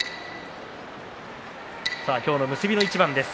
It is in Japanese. さあ今日の結びの一番です。